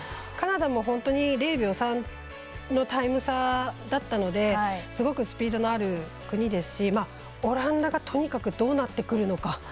カナダも本当に０秒３のタイム差だったのですごくスピードのある国ですしオランダがとにかくどうなってくるのか。